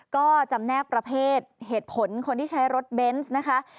ก็จำแนกประเภทเหตุผลคนที่ใช้รถเบนส์นะคะ